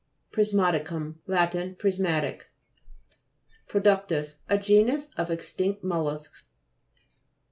PRISMA'TICUM Lat. Prismatic. PRODU'CTUS A genus of extinct mol lusks (p.